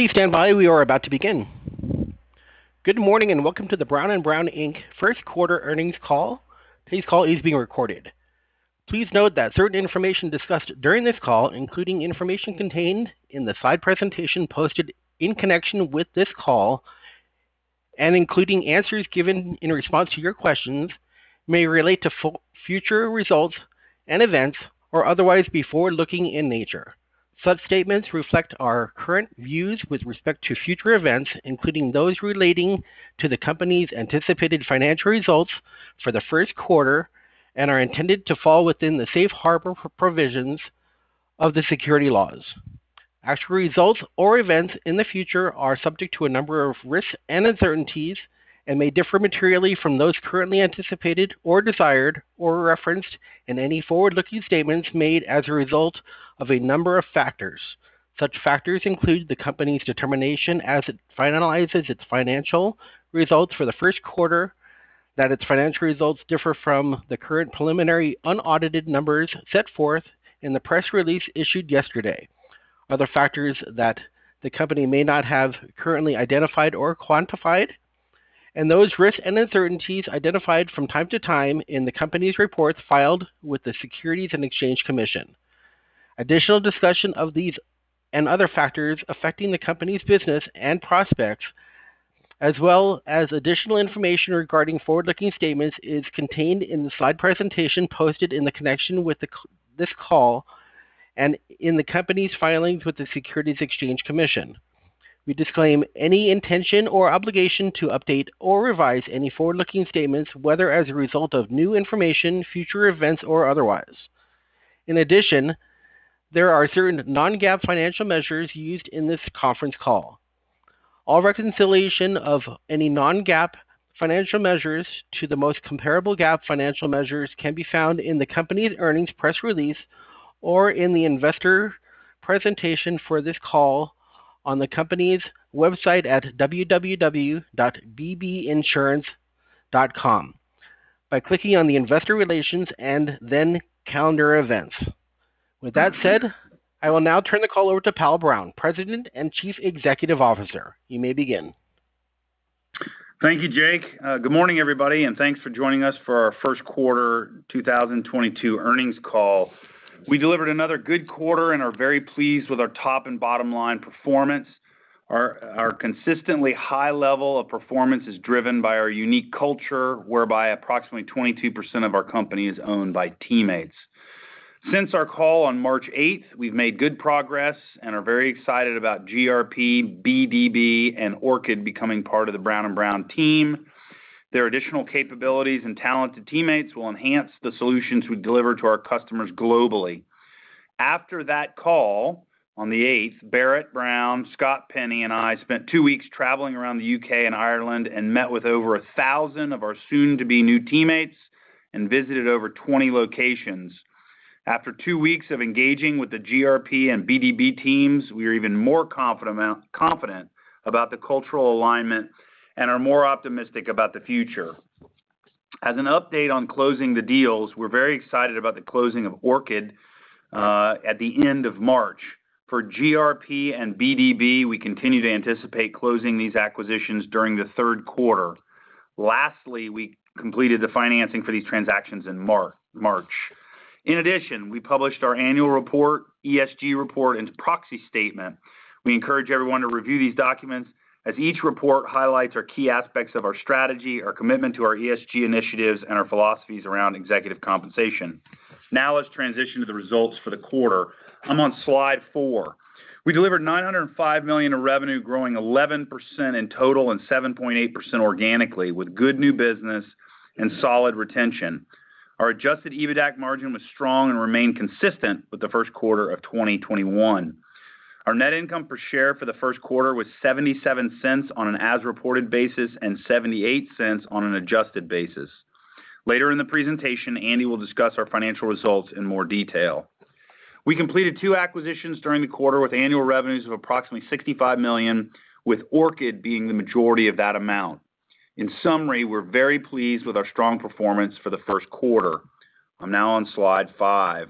Please stand by. We are about to begin. Good morning, and welcome to the Brown & Brown, Inc. Q1 earnings call. Today's call is being recorded. Please note that certain information discussed during this call, including information contained in the slide presentation posted in connection with this call, and including answers given in response to your questions, may relate to future results and events or otherwise be forward-looking in nature. Such statements reflect our current views with respect to future events, including those relating to the company's anticipated financial results for the Q1, and are intended to fall within the safe harbor provisions of the securities laws. Actual results or events in the future are subject to a number of risks and uncertainties and may differ materially from those currently anticipated or desired or referenced in any forward-looking statements made as a result of a number of factors. Such factors include the company's determination as it finalizes its financial results for the Q1 that its financial results differ from the current preliminary unaudited numbers set forth in the press release issued yesterday. Other factors that the company may not have currently identified or quantified, and those risks and uncertainties identified from time to time in the company's reports filed with the Securities and Exchange Commission. Additional discussion of these and other factors affecting the company's business and prospects, as well as additional information regarding forward-looking statements, is contained in the slide presentation posted in connection with this call and in the company's filings with the Securities and Exchange Commission. We disclaim any intention or obligation to update or revise any forward-looking statements, whether as a result of new information, future events, or otherwise. In addition, there are certain non-GAAP financial measures used in this conference call. All reconciliation of any non-GAAP financial measures to the most comparable GAAP financial measures can be found in the company's earnings press release or in the investor presentation for this call on the company's website at www.bbinsurance.com by clicking on the Investor Relations and then Calendar Events. With that said, I will now turn the call over to Powell Brown, President and Chief Executive Officer. You may begin. Thank you, Jake. Good morning, everybody, and thanks for joining us for our Q1 2022 earnings call. We delivered another good quarter and are very pleased with our top and bottom line performance. Our consistently high level of performance is driven by our unique culture, whereby approximately 22% of our company is owned by teammates. Since our call on March 8, we've made good progress and are very excited about GRP, BdB, and Orchid becoming part of the Brown & Brown team. Their additional capabilities and talented teammates will enhance the solutions we deliver to our customers globally. After that call on the 8th, Barrett Brown, Scott Penny, and I spent two weeks traveling around the U.K. and Ireland and met with over 1,000 of our soon-to-be new teammates and visited over 20 locations. After two weeks of engaging with the GRP and BdB teams, we are even more confident about the cultural alignment and are more optimistic about the future. As an update on closing the deals, we're very excited about the closing of Orchid at the end of March. For GRP and BdB, we continue to anticipate closing these acquisitions during the third quarter. Lastly, we completed the financing for these transactions in March. In addition, we published our annual report, ESG report, and proxy statement. We encourage everyone to review these documents as each report highlights our key aspects of our strategy, our commitment to our ESG initiatives, and our philosophies around executive compensation. Now let's transition to the results for the quarter. I'm on slide four. We delivered $905 million in revenue, growing 11% in total and 7.8% organically, with good new business and solid retention. Our adjusted EBITDAC margin was strong and remained consistent with the Q1 of 2021. Our net income per share for the Q1 was $0.77 on an as-reported basis and $0.78 on an adjusted basis. Later in the presentation, Andy will discuss our financial results in more detail. We completed two acquisitions during the quarter with annual revenues of approximately $65 million, with Orchid being the majority of that amount. In summary, we're very pleased with our strong performance for the Q1. I'm now on slide five.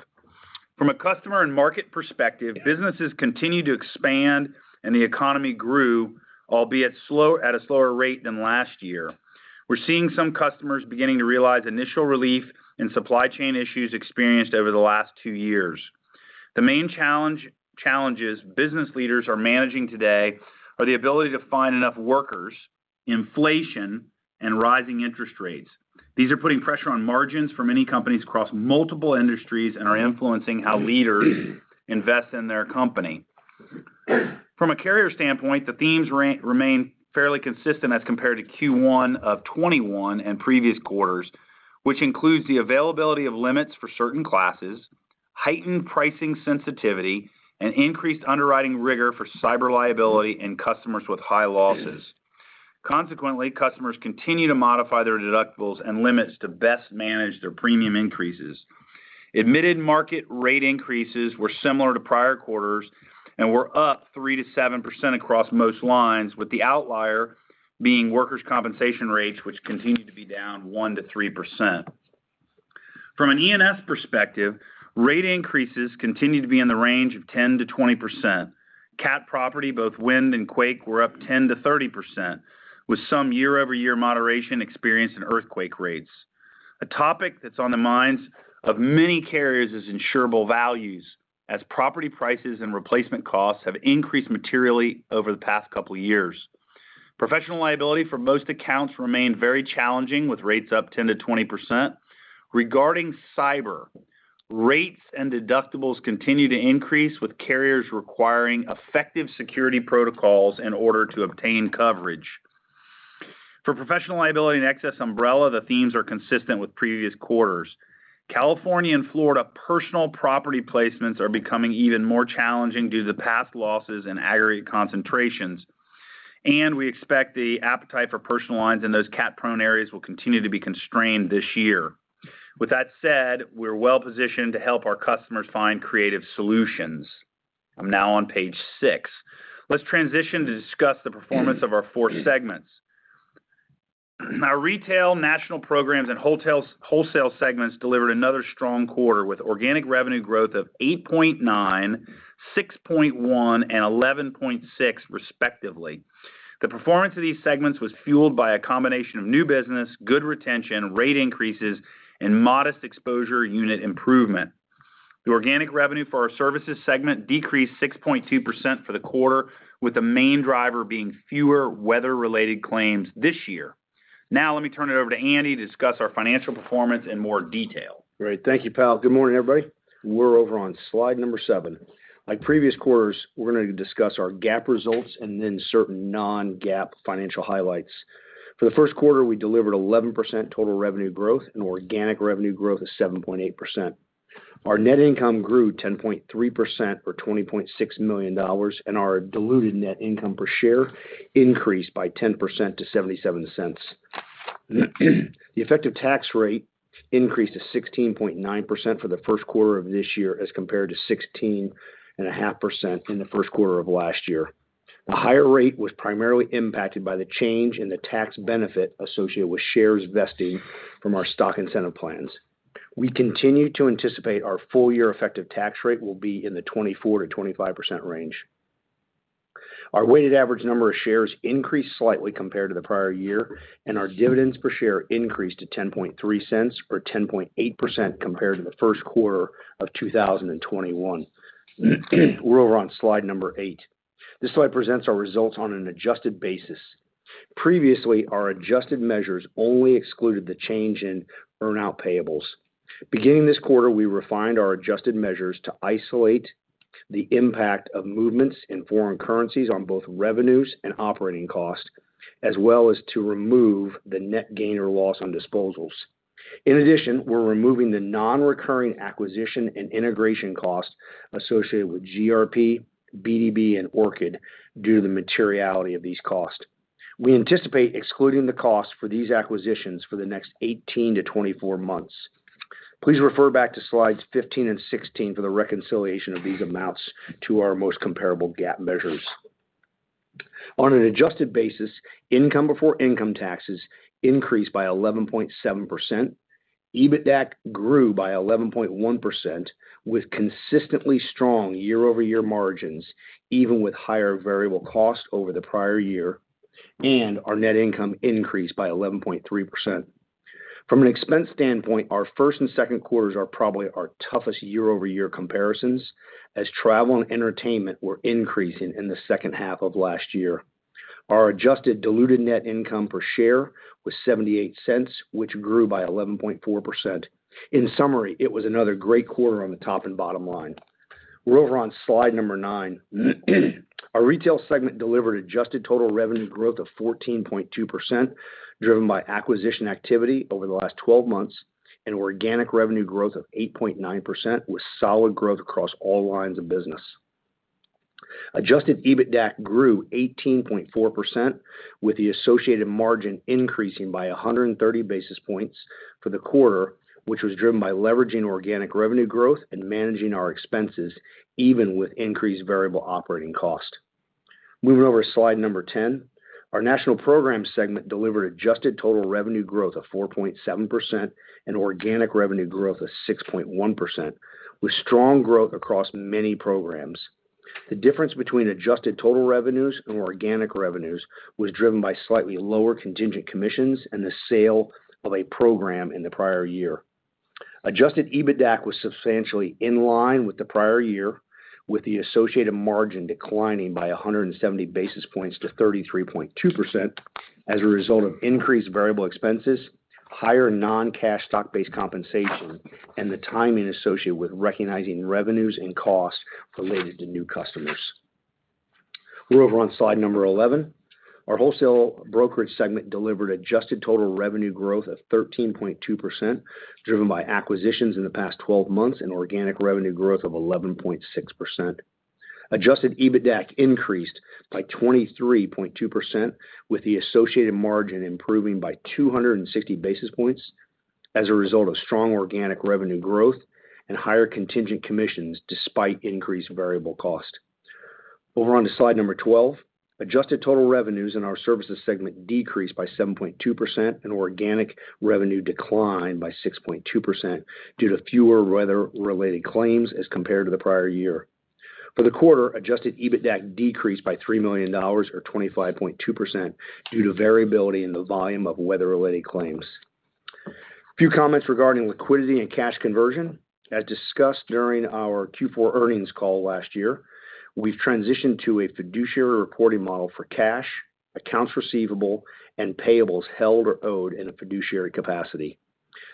From a customer and market perspective, businesses continued to expand and the economy grew, albeit at a slower rate than last year. We're seeing some customers beginning to realize initial relief in supply chain issues experienced over the last two years. The main challenges business leaders are managing today are the ability to find enough workers, inflation, and rising interest rates. These are putting pressure on margins for many companies across multiple industries and are influencing how leaders invest in their company. From a carrier standpoint, the themes remain fairly consistent as compared to Q1 of 2021 and previous quarters, which includes the availability of limits for certain classes, heightened pricing sensitivity, and increased underwriting rigor for cyber liability in customers with high losses. Consequently, customers continue to modify their deductibles and limits to best manage their premium increases. Admitted market rate increases were similar to prior quarters and were up 3%-7% across most lines, with the outlier being workers' compensation rates, which continued to be down 1%-3%. From an E&S perspective, rate increases continue to be in the range of 10%-20%. CAT property, both wind and quake, were up 10%-30%, with some year-over-year moderation experienced in earthquake rates. A topic that's on the minds of many carriers is insurable values, as property prices and replacement costs have increased materially over the past couple years. Professional liability for most accounts remained very challenging, with rates up 10%-20%. Regarding cyber, rates and deductibles continue to increase, with carriers requiring effective security protocols in order to obtain coverage. For professional liability and excess umbrella, the themes are consistent with previous quarters. California and Florida personal property placements are becoming even more challenging due to past losses and aggregate concentrations. We expect the appetite for personal lines in those cat-prone areas will continue to be constrained this year. With that said, we're well-positioned to help our customers find creative solutions. I'm now on page six. Let's transition to discuss the performance of our four segments. Our Retail, National Programs, and Wholesale segments delivered another strong quarter, with organic revenue growth of 8.9%, 6.1%, and 11.6%, respectively. The performance of these segments was fueled by a combination of new business, good retention, rate increases, and modest exposure unit improvement. The organic revenue for our Services segment decreased 6.2% for the quarter, with the main driver being fewer weather-related claims this year. Now let me turn it over to Andy to discuss our financial performance in more detail. Great. Thank you, Powell. Good morning, everybody. We're over on slide seven. Like previous quarters, we're going to discuss our GAAP results and then certain non-GAAP financial highlights. For the Q1, we delivered 11% total revenue growth and organic revenue growth of 7.8%. Our net income grew 10.3% or $20.6 million, and our diluted net income per share increased by 10% to $0.77. The effective tax rate increased to 16.9% for the Q1 of this year as compared to 16.5% in the Q1 of last year. The higher rate was primarily impacted by the change in the tax benefit associated with shares vesting from our stock incentive plans. We continue to anticipate our full year effective tax rate will be in the 24%-25% range. Our weighted average number of shares increased slightly compared to the prior year, and our dividends per share increased to $0.103 or 10.8% compared to the Q1 of 2021. We're over on slide eight. This slide presents our results on an adjusted basis. Previously, our adjusted measures only excluded the change in earn-out payables. Beginning this quarter, we refined our adjusted measures to isolate the impact of movements in foreign currencies on both revenues and operating costs, as well as to remove the net gain or loss on disposals. In addition, we're removing the non-recurring acquisition and integration costs associated with GRP, BdB, and Orchid due to the materiality of these costs. We anticipate excluding the costs for these acquisitions for the next 18-24 months. Please refer back to slides 15 and 16 for the reconciliation of these amounts to our most comparable GAAP measures. On an adjusted basis, income before income taxes increased by 11.7%. EBITDAC grew by 11.1% with consistently strong year-over-year margins, even with higher variable costs over the prior year, and our net income increased by 11.3%. From an expense standpoint, our first and second quarters are probably our toughest year-over-year comparisons as travel and entertainment were increasing in the second half of last year. Our adjusted diluted net income per share was $0.78, which grew by 11.4%. In summary, it was another great quarter on the top and bottom line. We're over on slide nine. Our retail segment delivered adjusted total revenue growth of 14.2%, driven by acquisition activity over the last 12 months and organic revenue growth of 8.9% with solid growth across all lines of business. Adjusted EBITDAC grew 18.4% with the associated margin increasing by 130 basis points for the quarter, which was driven by leveraging organic revenue growth and managing our expenses even with increased variable operating costs. Moving over to slide number 10. Our national program segment delivered adjusted total revenue growth of 4.7% and organic revenue growth of 6.1%, with strong growth across many programs. The difference between adjusted total revenues and organic revenues was driven by slightly lower contingent commissions and the sale of a program in the prior year. Adjusted EBITDAC was substantially in line with the prior year, with the associated margin declining by 170 basis points to 33.2% as a result of increased variable expenses, higher non-cash stock-based compensation, and the timing associated with recognizing revenues and costs related to new customers. We're over on slide 11. Our wholesale brokerage segment delivered adjusted total revenue growth of 13.2%, driven by acquisitions in the past 12 months and organic revenue growth of 11.6%. Adjusted EBITDAC increased by 23.2%, with the associated margin improving by 260 basis points as a result of strong organic revenue growth and higher contingent commissions despite increased variable cost. Over on to slide 12. Adjusted total revenues in our services segment decreased by 7.2% and organic revenue declined by 6.2% due to fewer weather-related claims as compared to the prior year. For the quarter, adjusted EBITDA decreased by $3 million or 25.2% due to variability in the volume of weather-related claims. A few comments regarding liquidity and cash conversion. As discussed during our Q4 earnings call last year, we've transitioned to a fiduciary reporting model for cash, accounts receivable, and payables held or owed in a fiduciary capacity.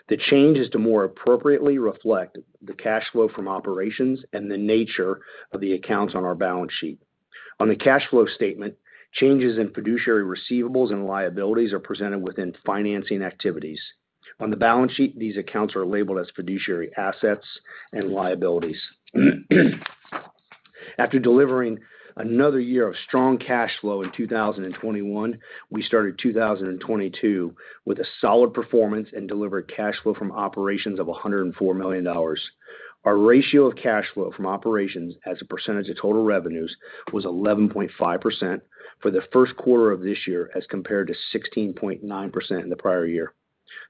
The change is to more appropriately reflect the cash flow from operations and the nature of the accounts on our balance sheet. On the cash flow statement, changes in fiduciary receivables and liabilities are presented within financing activities. On the balance sheet, these accounts are labeled as fiduciary assets and liabilities. After delivering another year of strong cash flow in 2021, we started 2022 with a solid performance and delivered cash flow from operations of $104 million. Our ratio of cash flow from operations as a percentage of total revenues was 11.5% for the Q1 of this year as compared to 16.9% in the prior year.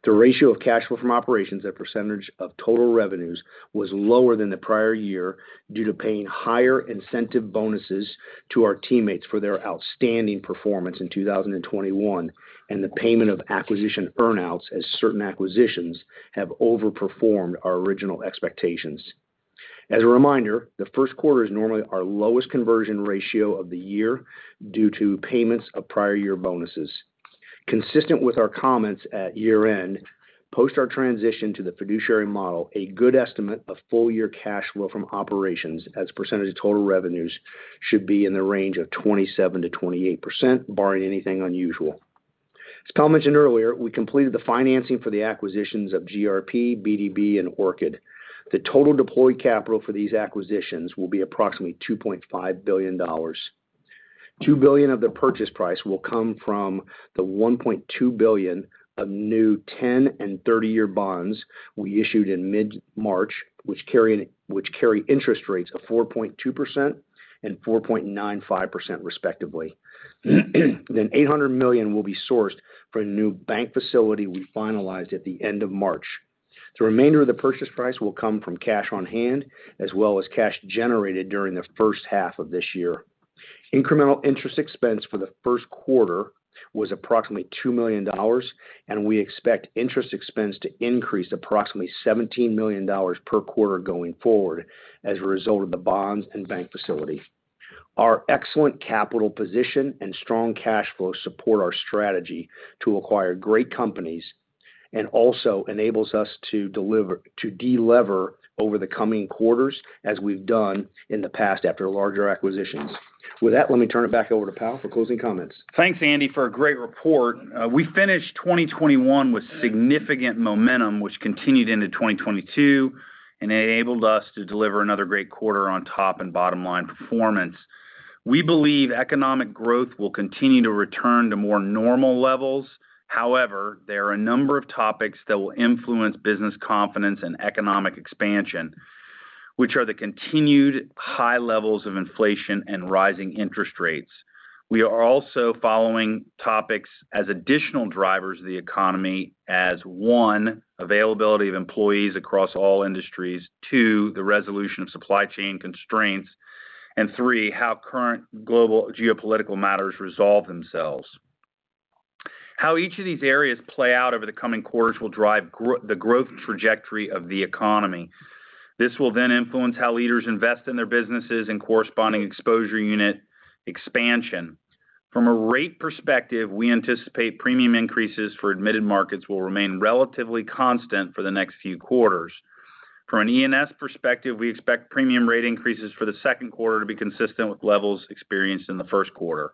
The ratio of cash flow from operations as percentage of total revenues was lower than the prior year due to paying higher incentive bonuses to our teammates for their outstanding performance in 2021, and the payment of acquisition earn-outs as certain acquisitions have overperformed our original expectations. As a reminder, the Q1 is normally our lowest conversion ratio of the year due to payments of prior year bonuses. Consistent with our comments at year-end, post our transition to the fiduciary model, a good estimate of full year cash flow from operations as a percentage of total revenues should be in the range of 27%-28%, barring anything unusual. As Powell mentioned earlier, we completed the financing for the acquisitions of GRP, BdB, and Orchid. The total deployed capital for these acquisitions will be approximately $2.5 billion. $2 billion of the purchase price will come from the $1.2 billion of new 10- and 30-year bonds we issued in mid-March, which carry interest rates of 4.2% and 4.95% respectively. Eight hundred million will be sourced for a new bank facility we finalized at the end of March. The remainder of the purchase price will come from cash on hand as well as cash generated during the first half of this year. Incremental interest expense for the Q1 was approximately $2 million, and we expect interest expense to increase approximately $17 million per quarter going forward as a result of the bonds and bank facility. Our excellent capital position and strong cash flow support our strategy to acquire great companies, and also enables us to de-lever over the coming quarters as we've done in the past after larger acquisitions. With that, let me turn it back over to Powell for closing comments. Thanks, Andy, for a great report. We finished 2021 with significant momentum, which continued into 2022, and enabled us to deliver another great quarter on top and bottom line performance. We believe economic growth will continue to return to more normal levels. However, there are a number of topics that will influence business confidence and economic expansion, which are the continued high levels of inflation and rising interest rates. We are also following topics as additional drivers of the economy as, one, availability of employees across all industries. Two, the resolution of supply chain constraints. And three, how current global geopolitical matters resolve themselves. How each of these areas play out over the coming quarters will drive the growth trajectory of the economy. This will then influence how leaders invest in their businesses and corresponding exposure unit expansion. From a rate perspective, we anticipate premium increases for admitted markets will remain relatively constant for the next few quarters. From an E&S perspective, we expect premium rate increases for the second quarter to be consistent with levels experienced in the Q1.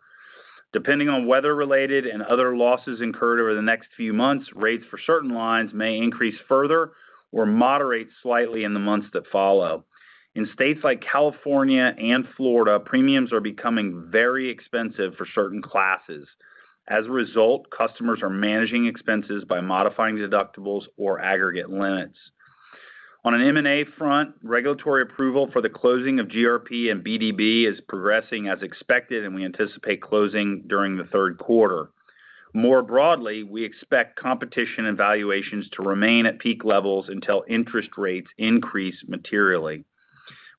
Depending on weather-related and other losses incurred over the next few months, rates for certain lines may increase further or moderate slightly in the months that follow. In states like California and Florida, premiums are becoming very expensive for certain classes. As a result, customers are managing expenses by modifying deductibles or aggregate limits. On an M&A front, regulatory approval for the closing of GRP and BdB is progressing as expected, and we anticipate closing during the third quarter. More broadly, we expect competition and valuations to remain at peak levels until interest rates increase materially.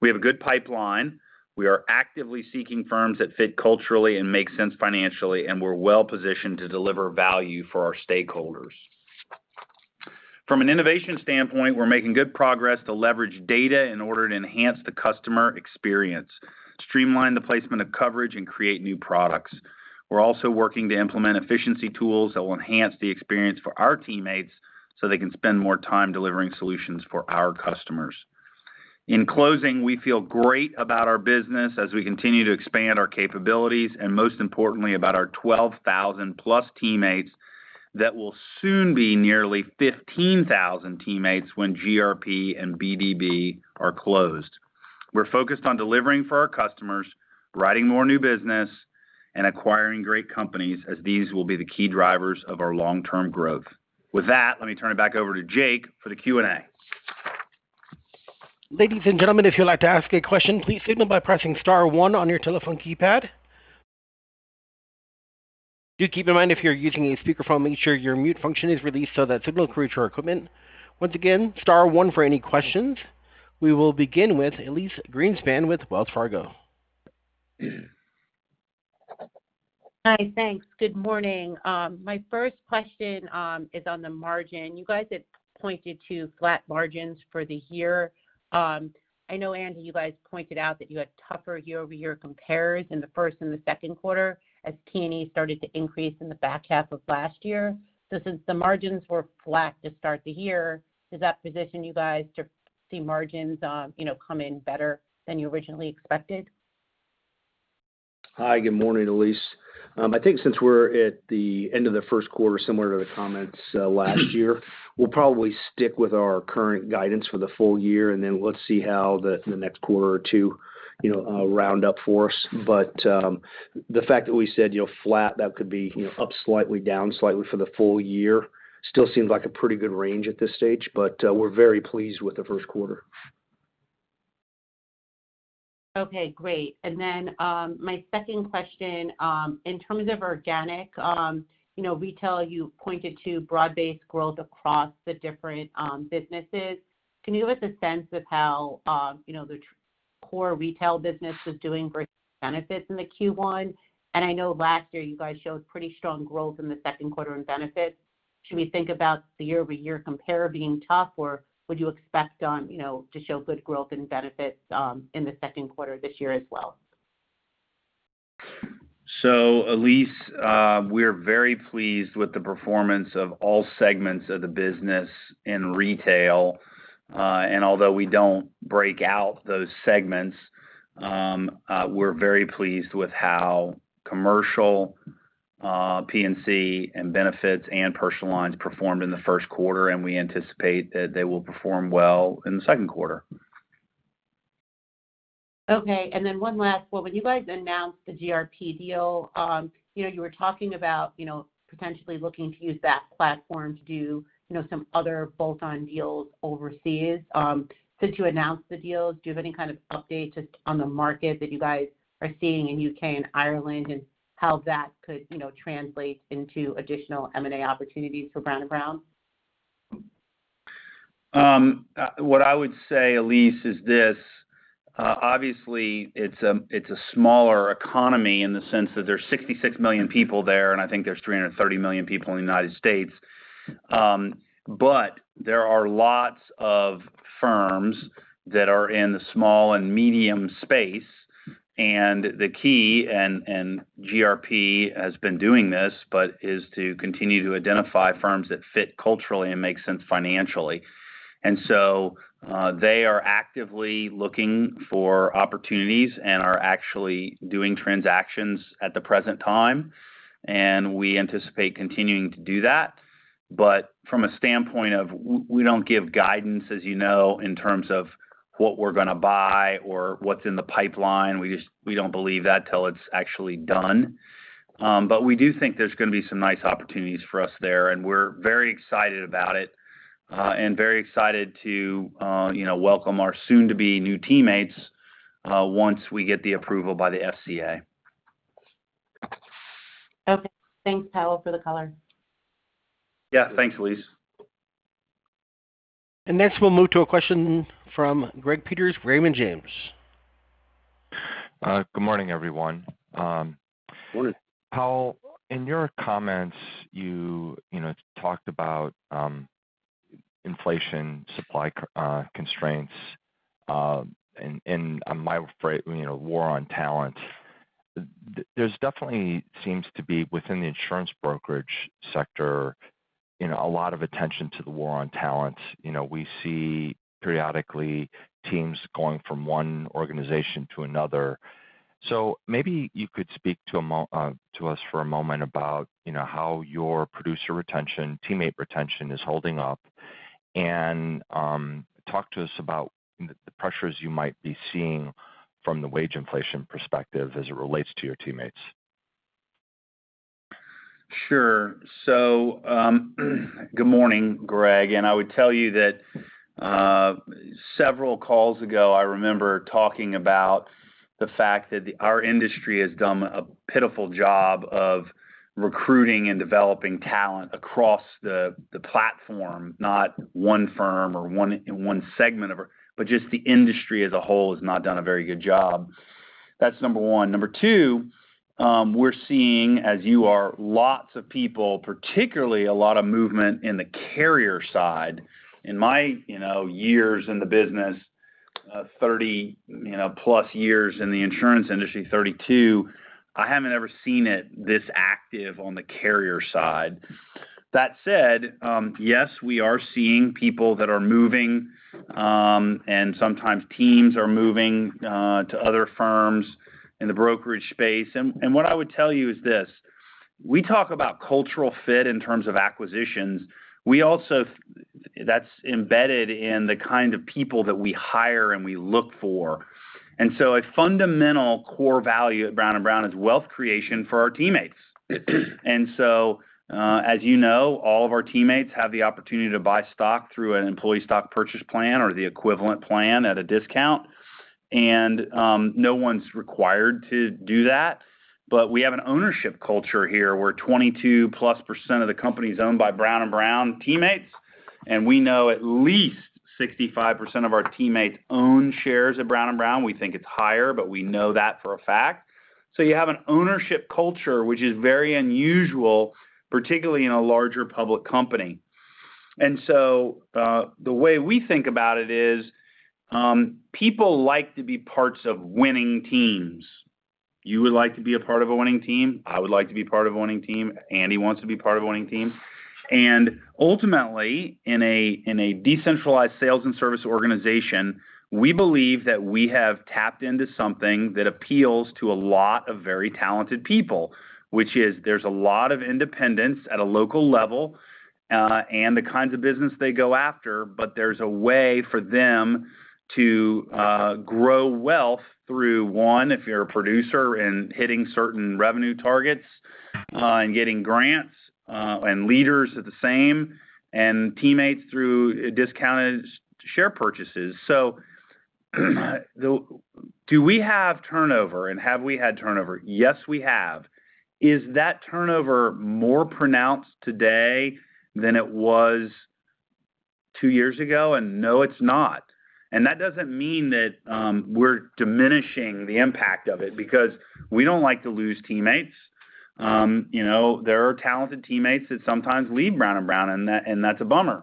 We have a good pipeline, we are actively seeking firms that fit culturally and make sense financially, and we're well-positioned to deliver value for our stakeholders. From an innovation standpoint, we're making good progress to leverage data in order to enhance the customer experience, streamline the placement of coverage, and create new products. We're also working to implement efficiency tools that will enhance the experience for our teammates, so they can spend more time delivering solutions for our customers. In closing, we feel great about our business as we continue to expand our capabilities, and most importantly about our 12,000+ teammates that will soon be nearly 15,000 teammates when GRP and BdB are closed. We're focused on delivering for our customers, writing more new business, and acquiring great companies as these will be the key drivers of our long-term growth. With that, let me turn it back over to Jake for the Q&A. Ladies and gentlemen, if you'd like to ask a question, please signal by pressing star one on your telephone keypad. Do keep in mind if you're using a speakerphone, make sure your mute function is released so that signal can reach our equipment. Once again, star one for any questions. We will begin with Elyse Greenspan with Wells Fargo. Hi. Thanks. Good morning. My first question is on the margin. You guys had pointed to flat margins for the year. I know, Andy, you guys pointed out that you had tougher year-over-year compares in the first and the second quarter as T&E started to increase in the back half of last year. Since the margins were flat to start the year, does that position you guys to see margins, you know, come in better than you originally expected? Hi. Good morning, Elyse. I think since we're at the end of the Q1, similar to the comments last year, we'll probably stick with our current guidance for the full year, and then we'll see how the next quarter or two, you know, round up for us. The fact that we said, you know, flat, that could be, you know, up slightly, down slightly for the full year still seems like a pretty good range at this stage, but we're very pleased with the Q1. Okay. Great. My second question, in terms of organic, you know, retail, you pointed to broad-based growth across the different, businesses. Can you give us a sense of how, you know, the core retail business is doing versus benefits in the Q1? I know last year you guys showed pretty strong growth in the second quarter in benefits. Should we think about the year-over-year compare being tough, or would you expect, you know, to show good growth in benefits, in the second quarter this year as well? Elyse, we're very pleased with the performance of all segments of the business in retail. Although we don't break out those segments, we're very pleased with how commercial, P&C and benefits and personal lines performed in the Q1, and we anticipate that they will perform well in the second quarter. Okay. One last one. When you guys announced the GRP deal, you know, you were talking about, you know, potentially looking to use that platform to do, you know, some other bolt-on deals overseas. Since you announced the deals, do you have any kind of update just on the market that you guys are seeing in U.K. and Ireland, and how that could, you know, translate into additional M&A opportunities for Brown & Brown? What I would say, Elyse, is this, obviously it's a smaller economy in the sense that there's 66 million people there, and I think there's 330 million people in the United States. There are lots of firms that are in the small and medium space. The key, GRP has been doing this, but is to continue to identify firms that fit culturally and make sense financially. They are actively looking for opportunities and are actually doing transactions at the present time, and we anticipate continuing to do that. From a standpoint of, we don't give guidance, as you know, in terms of what we're gonna buy or what's in the pipeline. We just don't believe that till it's actually done. We do think there's gonna be some nice opportunities for us there, and we're very excited about it, and very excited to, you know, welcome our soon-to-be new teammates, once we get the approval by the FCA. Okay. Thanks, Powell, for the color. Yeah. Thanks, Elyse. Next, we'll move to a question from Greg Peters, Raymond James. Good morning, everyone. Morning. Powell, in your comments, you know, talked about inflation, supply constraints, and my phrase, you know, war on talent. There's definitely seems to be, within the insurance brokerage sector, you know, a lot of attention to the war on talent. You know, we see periodically teams going from one organization to another. Maybe you could speak to us for a moment about, you know, how your producer retention, teammate retention is holding up, and talk to us about the pressures you might be seeing from the wage inflation perspective as it relates to your teammates. Sure. Good morning, Greg. I would tell you that several calls ago, I remember talking about the fact that our industry has done a pitiful job of recruiting and developing talent across the platform, not one firm or one segment of our industry, but just the industry as a whole has not done a very good job. That's number one. Number two, we're seeing, as you are, lots of people, particularly a lot of movement in the carrier side. In my, you know, years in the business, 30, you know, plus years in the insurance industry, 32, I haven't ever seen it this active on the carrier side. That said, yes, we are seeing people that are moving, and sometimes teams are moving to other firms in the brokerage space. What I would tell you is this. We talk about cultural fit in terms of acquisitions. That's embedded in the kind of people that we hire and we look for. A fundamental core value at Brown & Brown is wealth creation for our teammates. As you know, all of our teammates have the opportunity to buy stock through an employee stock purchase plan or the equivalent plan at a discount. No one's required to do that. We have an ownership culture here, where 22%+ of the company is owned by Brown & Brown teammates, and we know at least 65% of our teammates own shares at Brown & Brown. We think it's higher, but we know that for a fact. You have an ownership culture, which is very unusual, particularly in a larger public company. The way we think about it is, people like to be part of winning teams. You would like to be a part of a winning team. I would like to be part of a winning team. Andy wants to be part of a winning team. Ultimately, in a decentralized sales and service organization, we believe that we have tapped into something that appeals to a lot of very talented people, which is there's a lot of independence at a local level, and the kinds of business they go after, but there's a way for them to grow wealth through, one, if you're a producer and hitting certain revenue targets, and getting grants, and leaders are the same, and teammates through discounted S-share purchases. Do we have turnover and have we had turnover? Yes, we have. Is that turnover more pronounced today than it was two years ago? No, it's not. That doesn't mean that we're diminishing the impact of it because we don't like to lose teammates. You know, there are talented teammates that sometimes leave Brown & Brown, and that's a bummer.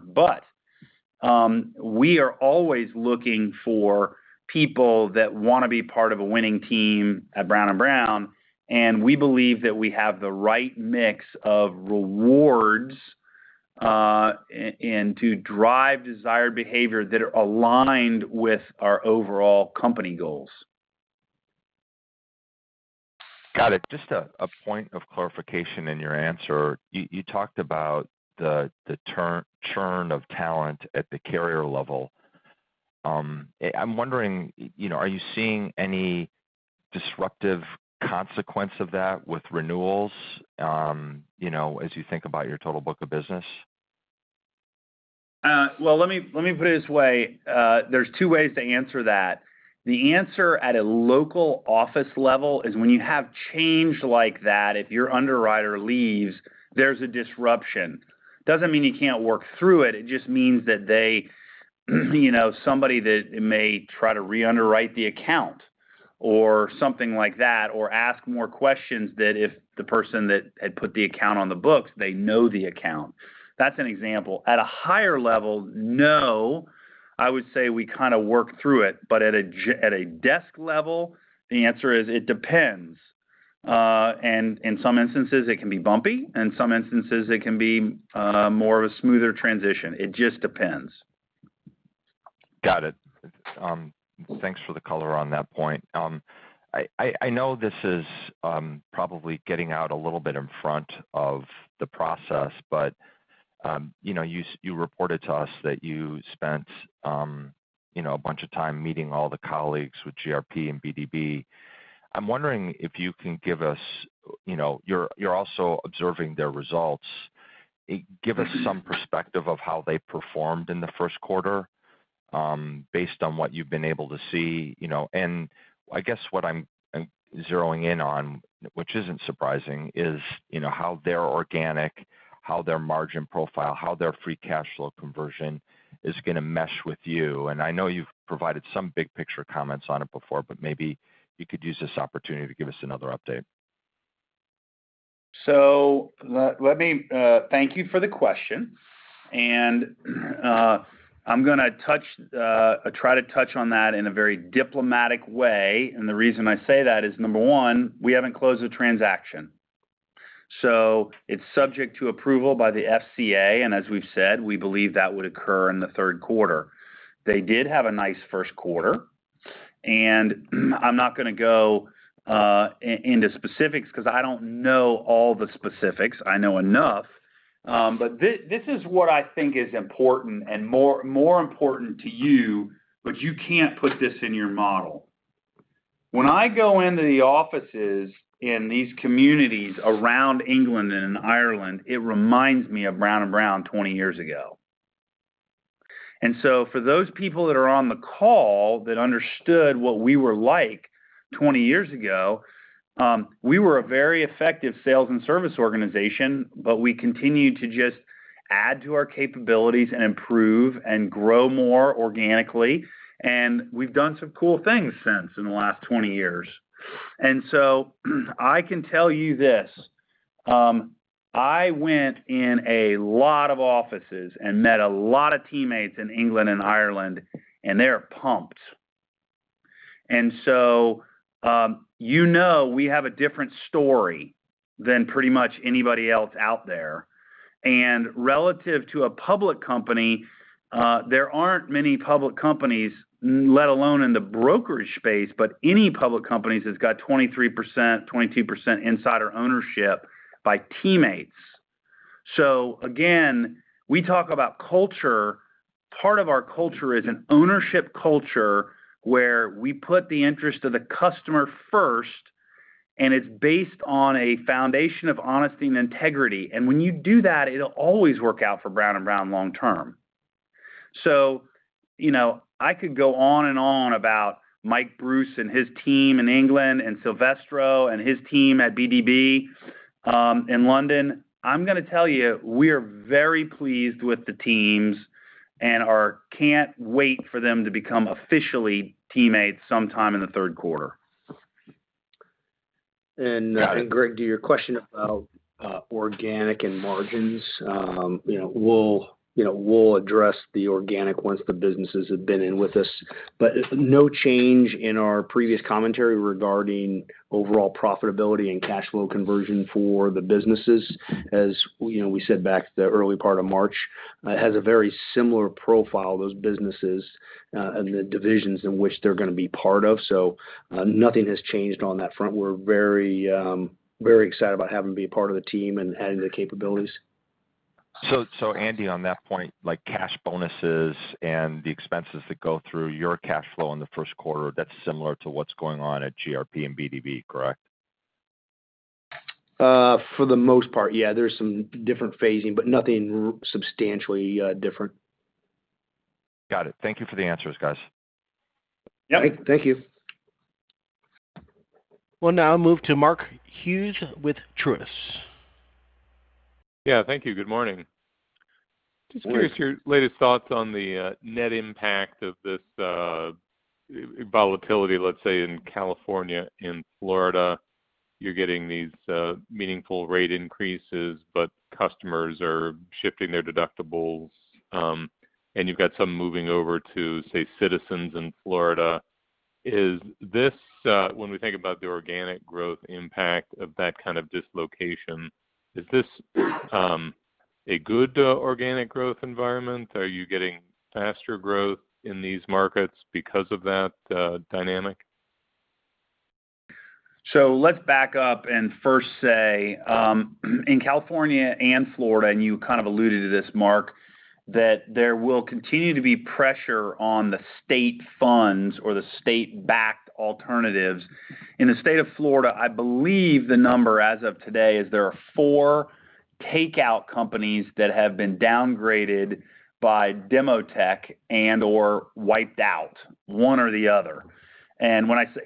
We are always looking for people that wanna be part of a winning team at Brown & Brown, and we believe that we have the right mix of rewards and to drive desired behavior that are aligned with our overall company goals. Got it. Just a point of clarification in your answer. You talked about the turnover churn of talent at the carrier level. I'm wondering, you know, are you seeing any disruptive consequence of that with renewals, you know, as you think about your total book of business? Well, let me put it this way. There's two ways to answer that. The answer at a local office level is when you have change like that, if your underwriter leaves, there's a disruption. Doesn't mean you can't work through it. It just means that they, you know, somebody that may try to re-underwrite the account or something like that, or ask more questions than if the person that had put the account on the books, they know the account. That's an example. At a higher level, no, I would say we kinda work through it. At a desk level, the answer is, it depends. In some instances, it can be bumpy, and some instances it can be more of a smoother transition. It just depends. Got it. Thanks for the color on that point. I know this is probably getting out a little bit in front of the process, but you know, you reported to us that you spent you know, a bunch of time meeting all the colleagues with GRP and BdB. I'm wondering if you can give us you know, you're also observing their results. Give us some perspective of how they performed in the Q1 based on what you've been able to see, you know. I guess what I'm zeroing in on, which isn't surprising, is you know, how their organic, how their margin profile, how their free cash flow conversion is gonna mesh with you. I know you've provided some big picture comments on it before, but maybe you could use this opportunity to give us another update. Let me thank you for the question. I'm gonna try to touch on that in a very diplomatic way, and the reason I say that is, number one, we haven't closed the transaction. It's subject to approval by the FCA, and as we've said, we believe that would occur in the Q3. They did have a nice Q1, and I'm not gonna go into specifics 'cause I don't know all the specifics. I know enough. This is what I think is important and more important to you, but you can't put this in your model. When I go into the offices in these communities around England and Ireland, it reminds me of Brown & Brown 20 years ago. For those people that are on the call that understood what we were like 20 years ago, we were a very effective sales and service organization, but we continued to just add to our capabilities and improve and grow more organically. We've done some cool things since in the last 20 years. I can tell you this. I went in a lot of offices and met a lot of teammates in England and Ireland, and they are pumped. You know, we have a different story than pretty much anybody else out there. Relative to a public company, there aren't many public companies, let alone in the brokerage space, but any public companies has got 23%, 22% insider ownership by teammates. Again, we talk about culture. Part of our culture is an ownership culture where we put the interest of the customer first, and it's based on a foundation of honesty and integrity. When you do that, it'll always work out for Brown & Brown long term. You know, I could go on and on about Mike Bruce and his team in England and Silvestro and his team at BdB in London. I'm gonna tell you, we're very pleased with the teams and can't wait for them to become officially teammates sometime in the third quarter. Greg, to your question about organic and margins, you know, we'll address the organic once the businesses have been in with us. But no change in our previous commentary regarding overall profitability and cash flow conversion for the businesses. As you know, we said back in the early part of March has a very similar profile, those businesses, and the divisions in which they're gonna be part of. Nothing has changed on that front. We're very excited about having them be a part of the team and adding their capabilities. Andy, on that point, like cash bonuses and the expenses that go through your cash flow in the Q1, that's similar to what's going on at GRP and BdB, correct? For the most part, yeah. There's some different phasing, but nothing substantially different. Got it. Thank you for the answers, guys. Yep. Thank you. We'll now move to Mark Hughes with Truist. Yeah, thank you. Good morning. Good morning. Just curious your latest thoughts on the net impact of this volatility, let's say in California and Florida. You're getting these meaningful rate increases, but customers are shifting their deductibles, and you've got some moving over to, say, Citizens in Florida. Is this when we think about the organic growth impact of that kind of dislocation, is this a good organic growth environment? Are you getting faster growth in these markets because of that dynamic? Let's back up and first say in California and Florida, and you kind of alluded to this, Mark, that there will continue to be pressure on the state funds or the state-backed alternatives. In the state of Florida, I believe the number as of today is there are four takeout companies that have been downgraded by Demotech and/or wiped out, one or the other. When I say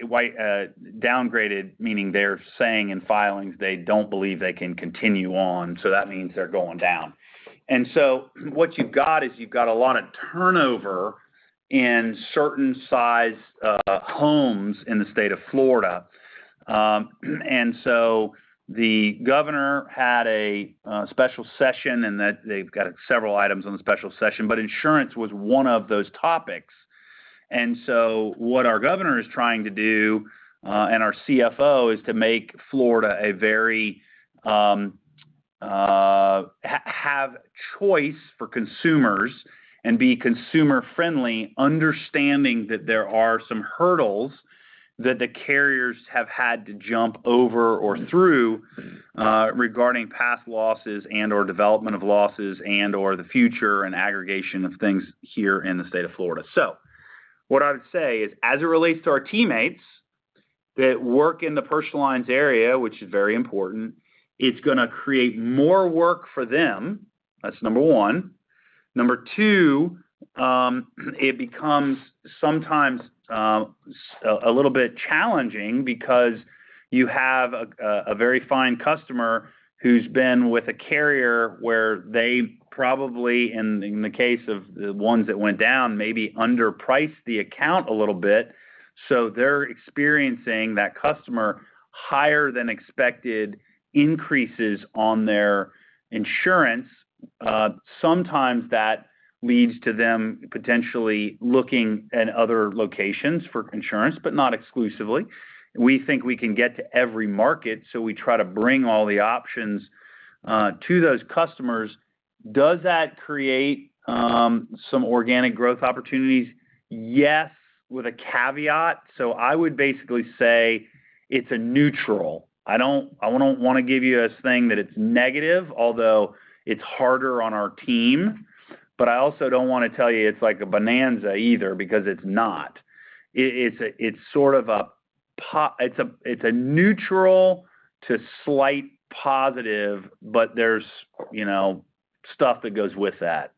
downgraded, meaning they're saying in filings they don't believe they can continue on, so that means they're going down. What you've got is you've got a lot of turnover in certain size homes in the state of Florida. The governor had a special session and that they've got several items on the special session, but insurance was one of those topics. What our governor is trying to do, and our CFO is to make Florida a very have choice for consumers and be consumer-friendly, understanding that there are some hurdles that the carriers have had to jump over or through, regarding past losses and/or development of losses and/or the future and aggregation of things here in the state of Florida. What I would say is, as it relates to our teammates that work in the personal lines area, which is very important, it's gonna create more work for them. That's number one. Number two, it becomes sometimes a little bit challenging because you have a very fine customer who's been with a carrier where they probably, in the case of the ones that went down, maybe underpriced the account a little bit. They're experiencing that customer higher than expected increases on their insurance. Sometimes that leads to them potentially looking at other locations for insurance, but not exclusively. We think we can get to every market, so we try to bring all the options to those customers. Does that create some organic growth opportunities? Yes, with a caveat. I would basically say it's a neutral. I wouldn't want to give you a thing that it's negative, although it's harder on our team, but I also don't want to tell you it's like a bonanza either because it's not. It's a neutral to slight positive, but there's, you know, stuff that goes with that.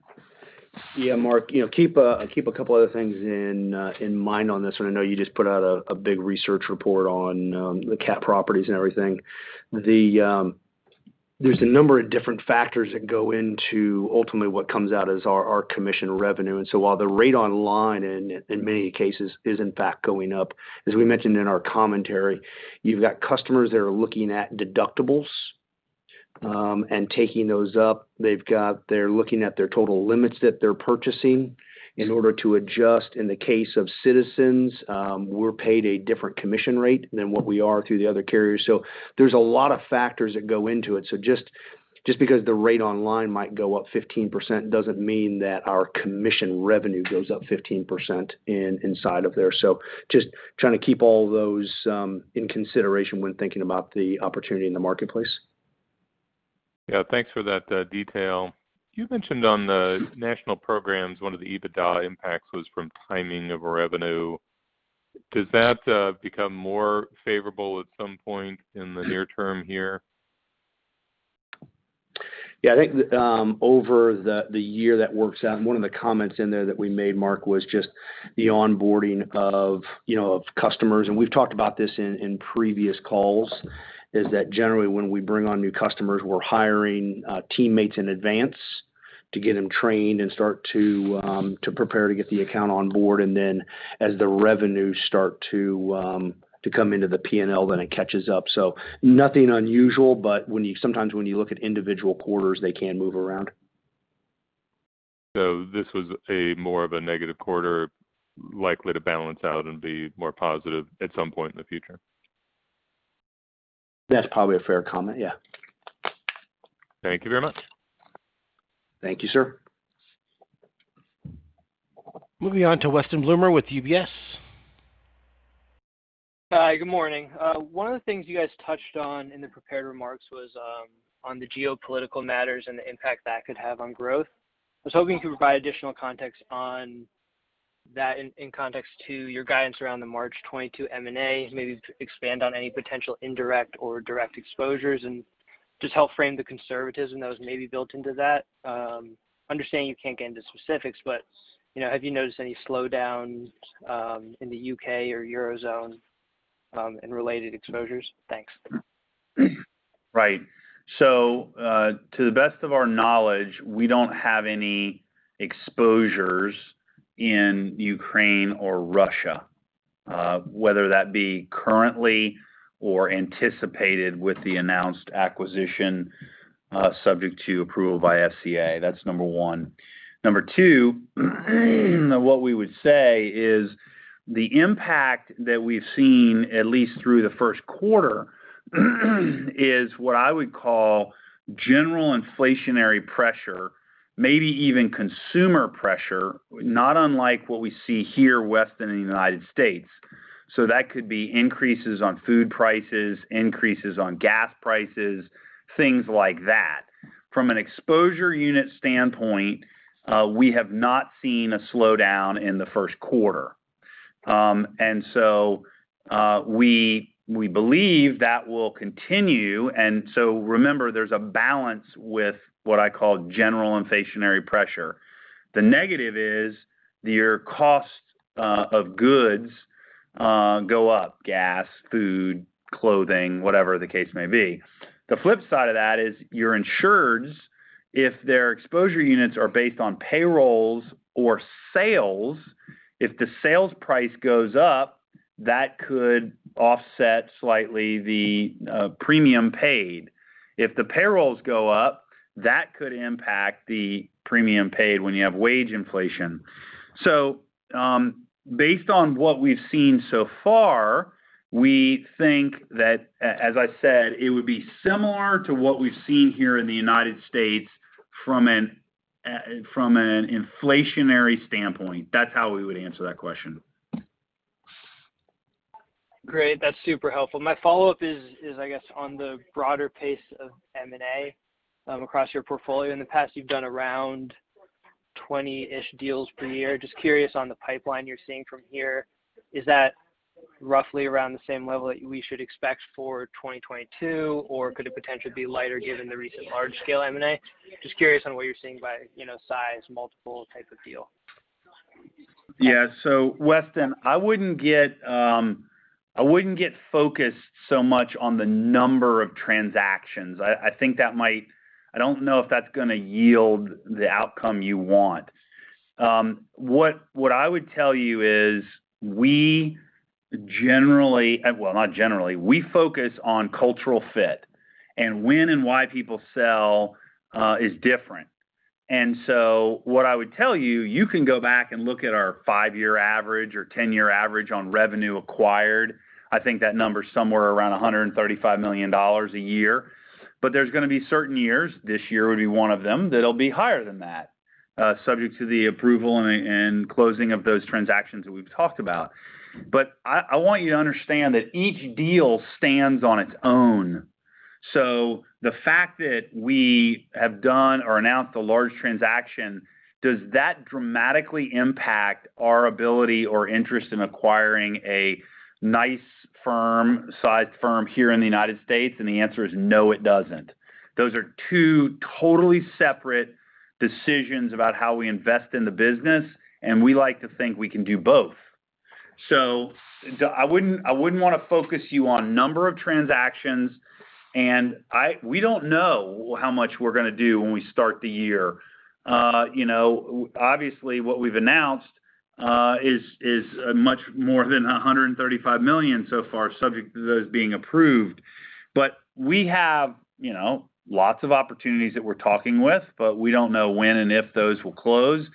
Yeah, Mark, you know, keep a couple other things in mind on this, and I know you just put out a big research report on the CAT properties and everything. There's a number of different factors that go into ultimately what comes out as our commission revenue. While the rate online in many cases is in fact going up, as we mentioned in our commentary, you've got customers that are looking at deductibles. Taking those up, they're looking at their total limits that they're purchasing in order to adjust. In the case of Citizens, we're paid a different commission rate than what we are through the other carriers. There's a lot of factors that go into it. Just because the rate online might go up 15% doesn't mean that our commission revenue goes up 15% inside of there. Just trying to keep all those in consideration when thinking about the opportunity in the marketplace. Yeah. Thanks for that, detail. You mentioned on the national programs, one of the EBITDA impacts was from timing of revenue. Does that become more favorable at some point in the near term here? Yeah. I think over the year that works out, and one of the comments in there that we made, Mark, was just the onboarding of you know of customers, and we've talked about this in previous calls, is that generally when we bring on new customers, we're hiring teammates in advance to get them trained and start to prepare to get the account on board. Then as the revenues start to come into the P&L, then it catches up. Nothing unusual, but sometimes when you look at individual quarters, they can move around. This was a more of a negative quarter likely to balance out and be more positive at some point in the future. That's probably a fair comment, yeah. Thank you very much. Thank you, sir. Moving on to Weston Bloomer with UBS. Hi, good morning. One of the things you guys touched on in the prepared remarks was on the geopolitical matters and the impact that could have on growth. I was hoping you could provide additional context on that in context to your guidance around the March 2022 M&A. Maybe expand on any potential indirect or direct exposures and just help frame the conservatism that was maybe built into that. Understanding you can't get into specifics, but you know, have you noticed any slowdowns in the U.K. or Eurozone and related exposures? Thanks. Right. To the best of our knowledge, we don't have any exposures in Ukraine or Russia, whether that be currently or anticipated with the announced acquisition, subject to approval by FCA. That's number one. Number two, what we would say is the impact that we've seen at least through the Q1 is what I would call general inflationary pressure, maybe even consumer pressure, not unlike what we see here west in the United States. That could be increases in food prices, increases in gas prices, things like that. From an exposure unit standpoint, we have not seen a slowdown in the Q1. We believe that will continue, remember, there's a balance with what I call general inflationary pressure. The negative is your cost of goods go up, gas, food, clothing, whatever the case may be. The flip side of that is your insureds, if their exposure units are based on payrolls or sales, if the sales price goes up, that could offset slightly the premium paid. If the payrolls go up, that could impact the premium paid when you have wage inflation. Based on what we've seen so far, we think that as I said, it would be similar to what we've seen here in the United States from an inflationary standpoint. That's how we would answer that question. Great. That's super helpful. My follow-up is, I guess, on the broader pace of M&A across your portfolio. In the past, you've done around 20 deals per year. Just curious on the pipeline you're seeing from here, is that roughly around the same level that we should expect for 2022, or could it potentially be lighter given the recent large-scale M&A? Just curious on what you're seeing by, you know, size, multiple type of deal. Yeah. Weston, I wouldn't get focused so much on the number of transactions. I think that might. I don't know if that's gonna yield the outcome you want. What I would tell you is, we generally, well, not generally, we focus on cultural fit and when and why people sell is different. What I would tell you can go back and look at our five-year average or 10-year average on revenue acquired. I think that number is somewhere around $135 million a year. There's gonna be certain years, this year would be one of them, that'll be higher than that, subject to the approval and closing of those transactions that we've talked about. I want you to understand that each deal stands on its own. The fact that we have done or announced a large transaction, does that dramatically impact our ability or interest in acquiring a nice firm, sized firm here in the United States? The answer is no, it doesn't. Those are two totally separate decisions about how we invest in the business, and we like to think we can do both. I wouldn't wanna focus you on number of transactions. We don't know how much we're gonna do when we start the year. You know, obviously, what we've announced is much more than $135 million so far, subject to those being approved. We have, you know, lots of opportunities that we're talking with, but we don't know when and if those will close.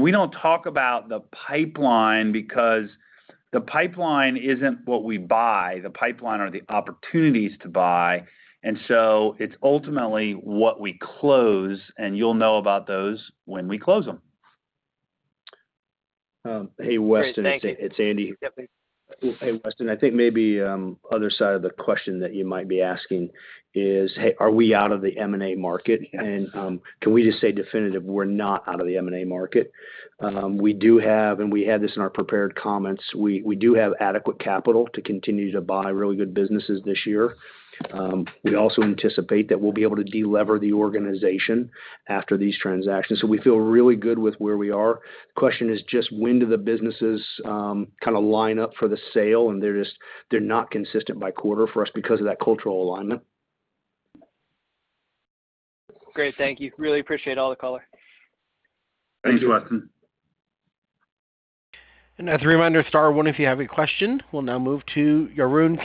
We don't talk about the pipeline because the pipeline isn't what we buy, the pipeline are the opportunities to buy. It's ultimately what we close, and you'll know about those when we close them. Hey, Weston. Great. Thank you. It's Andy. Yep. Hey, Weston. I think maybe other side of the question that you might be asking is, hey, are we out of the M&A market? Yes. Can we just say definitively we're not out of the M&A market? We do have, and we had this in our prepared comments, we do have adequate capital to continue to buy really good businesses this year. We also anticipate that we'll be able to delever the organization after these transactions. We feel really good with where we are. The question is just when do the businesses kind of line up for the sale and they're not consistent by quarter for us because of that cultural alignment. Great. Thank you. Really appreciate all the color. Thank you, Weston. As a reminder, star one if you have a question. We'll now move to Yaron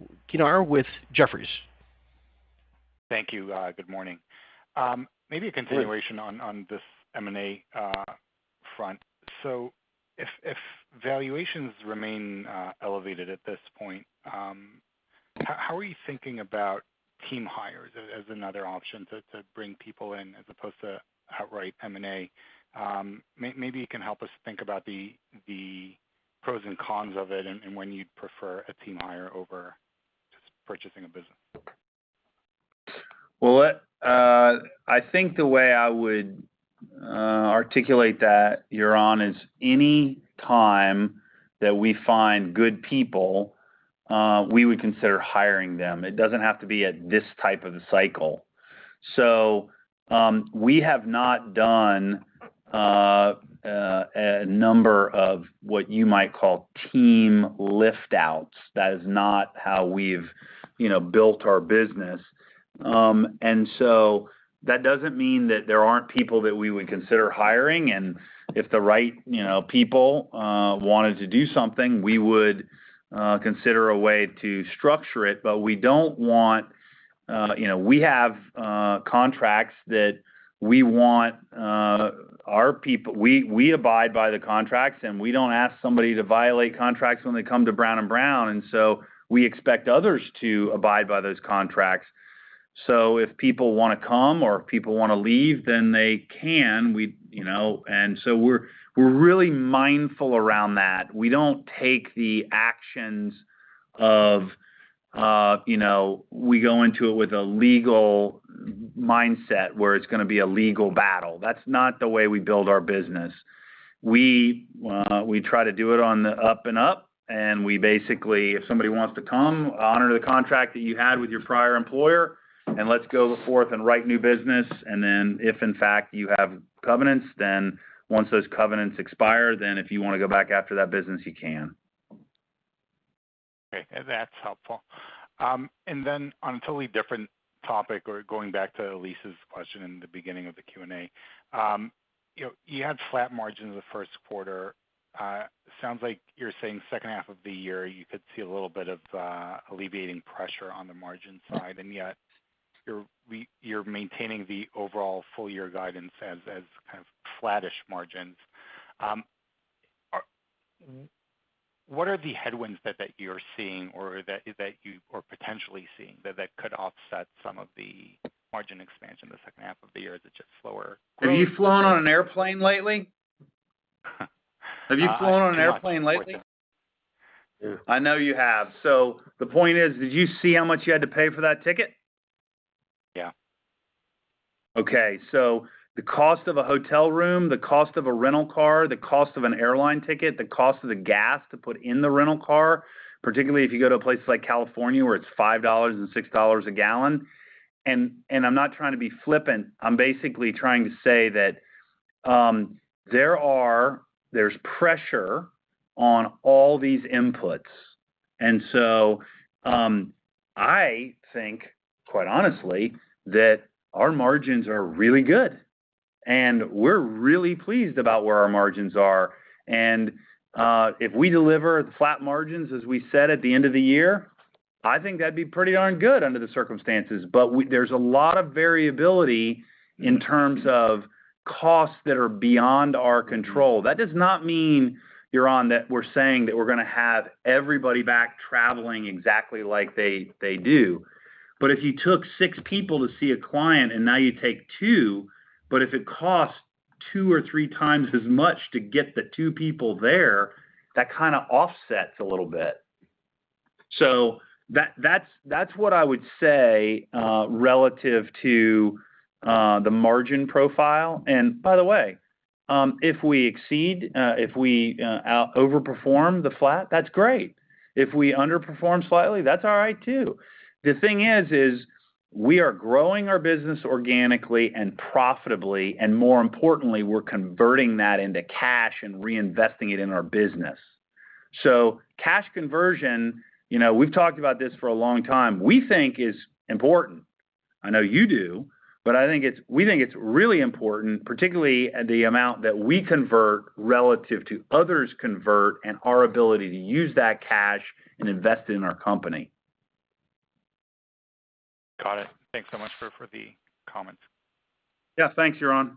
Kinar. Kinar with Jefferies. Thank you. Good morning. Maybe a continuation. Yes On this M&A front. If valuations remain elevated at this point, how are you thinking about team hires as another option to bring people in as opposed to outright M&A? Maybe you can help us think about the pros and cons of it and when you'd prefer a team hire over just purchasing a business. Well, I think the way I would articulate that, Yaron, is any time that we find good people, we would consider hiring them. It doesn't have to be at this type of a cycle. We have not done a number of what you might call team lift outs. That is not how we've, you know, built our business. That doesn't mean that there aren't people that we would consider hiring, and if the right, you know, people wanted to do something, we would consider a way to structure it. But we don't want, you know, we have contracts, and we abide by the contracts, and we don't ask somebody to violate contracts when they come to Brown & Brown. We expect others to abide by those contracts. If people wanna come or if people wanna leave, then they can. We're really mindful around that. We don't take the actions of, we go into it with a legal mindset where it's gonna be a legal battle. That's not the way we build our business. We try to do it on the up and up, and we basically, if somebody wants to come, honor the contract that you had with your prior employer, and let's go forth and write new business. If in fact you have covenants, then once those covenants expire, then if you wanna go back after that business, you can. Okay. That's helpful. Then on a totally different topic or going back to Elyse's question in the beginning of the Q&A, you know, you had flat margins the Q1. Sounds like you're saying second half of the year, you could see a little bit of alleviating pressure on the margin side, and yet you're maintaining the overall full year guidance as kind of flattish margins. What are the headwinds that you're seeing or that you are potentially seeing that could offset some of the margin expansion the second half of the year? Is it just slower growth? Have you flown on an airplane lately? Uh, I cannot- Have you flown on an airplane lately? support that. Yeah. I know you have. The point is, did you see how much you had to pay for that ticket? Yeah. The cost of a hotel room, the cost of a rental car, the cost of an airline ticket, the cost of the gas to put in the rental car, particularly if you go to places like California where it's $5 and $6 a gallon. I'm not trying to be flippant. I'm basically trying to say that there's pressure on all these inputs. I think, quite honestly, that our margins are really good, and we're really pleased about where our margins are. If we deliver flat margins as we said at the end of the year, I think that'd be pretty darn good under the circumstances. There's a lot of variability in terms of costs that are beyond our control. That does not mean, Yaron, that we're saying that we're gonna have everybody back traveling exactly like they do. If you took six people to see a client, and now you take two, but if it costs two or three times as much to get the two people there, that kinda offsets a little bit. That's what I would say relative to the margin profile. By the way, if we exceed, if we overperform the flat, that's great. If we underperform slightly, that's all right too. The thing is we are growing our business organically and profitably, and more importantly, we're converting that into cash and reinvesting it in our business. Cash conversion, you know, we've talked about this for a long time, we think it is important. I know you do, but we think it's really important, particularly the amount that we convert relative to others convert and our ability to use that cash and invest in our company. Got it. Thanks so much for the comments. Yeah, thanks, Yaron.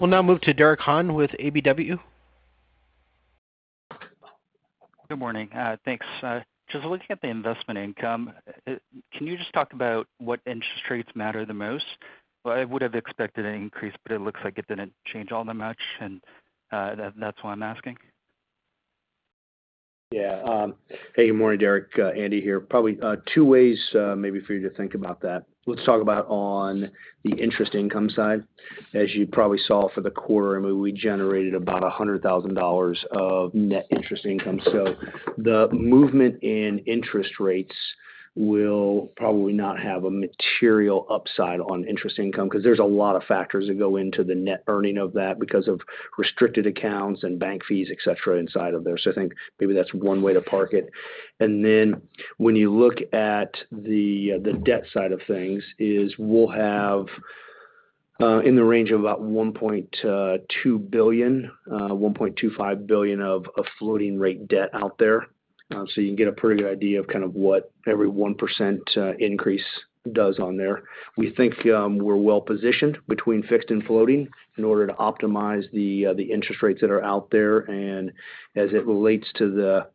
We'll now move to Derek Han with KBW. Good morning. Thanks. Just looking at the investment income, can you just talk about what interest rates matter the most? Well, I would have expected an increase, but it looks like it didn't change all that much, and that's why I'm asking. Yeah. Hey, good morning, Derek. Andy here. Probably two ways maybe for you to think about that. Let's talk about on the interest income side. As you probably saw for the quarter, I mean, we generated about $100,000 of net interest income. So the movement in interest rates will probably not have a material upside on interest income 'cause there's a lot of factors that go into the net earning of that because of restricted accounts and bank fees, et cetera, inside of there. So I think maybe that's one way to park it. When you look at the debt side of things, we'll have in the range of about $1.2 billion-$1.25 billion of floating rate debt out there. You can get a pretty good idea of kind of what every 1% increase does on there. We think we're well-positioned between fixed and floating in order to optimize the interest rates that are out there. As it relates to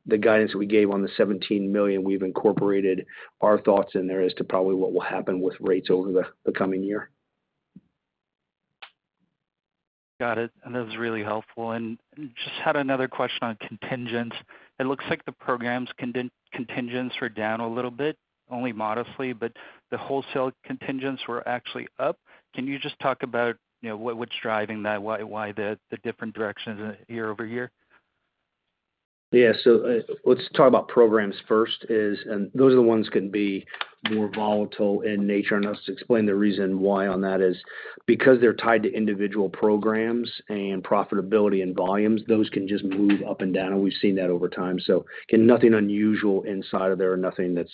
the guidance that we gave on the $17 million, we've incorporated our thoughts in there as to probably what will happen with rates over the coming year. Got it. That was really helpful. I just had another question on contingents. It looks like the program's contingents were down a little bit, only modestly, but the wholesale contingents were actually up. Can you just talk about, you know, what's driving that, why the different directions year over year? Yeah. Let's talk about programs first. Those are the ones that can be more volatile in nature, and I'll explain the reason why on that is because they're tied to individual programs and profitability and volumes. Those can just move up and down, and we've seen that over time. Again, nothing unusual inside of there or nothing that's